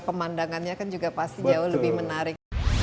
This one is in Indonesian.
pemandangannya kan juga pasti jauh lebih menarik